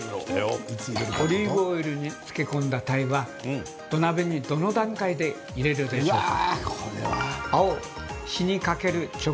オリーブオイルに漬け込んだ鯛は土鍋にどの段階で入れるでしょうか。